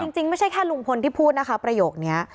จริงไม่ใช่แค่ลุงพลที่พูดนะคะประโยคนี้